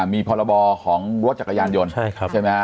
มีพรบของรถจักรยานยนต์ใช่ไหมฮะ